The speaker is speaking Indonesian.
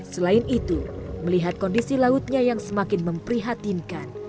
selain itu melihat kondisi lautnya yang semakin memprihatinkan